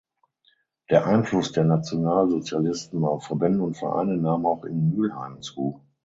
Der Einfluss der Nationalsozialisten auf Verbände und Vereine nahm auch in Mülheim zu.